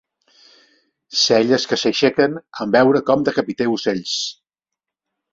Celles que s'aixequen en veure com decapiteu ocells.